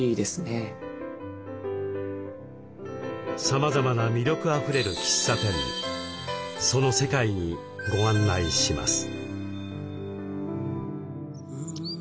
さまざまな魅力あふれる喫茶店その世界にご案内します。